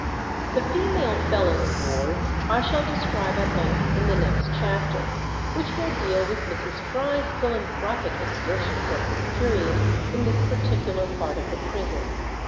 The female felons' wards I shall describe at length in the next chapter, which will deal with Mrs. Fry's philanthropic exertions at this period in this particular part of the prison.